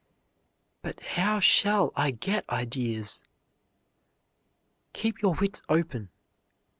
"But how shall I get ideas?" Keep your wits open!